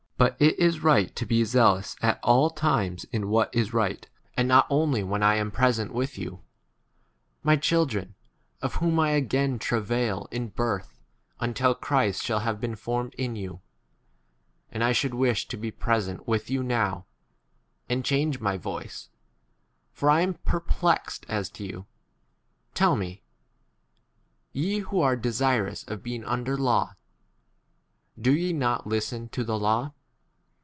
But [it is] right to be zealous in what is right at all time*, and not only 19 when I am present with you — my children, of whom I again travail in birth until Christ shall 20 have been formed in you : and I should wish to be present with you now, and change my voice, 21 for I am perplexed as to you. Tell me, ye who are desirous of being under law, do ye not listen to the 22 law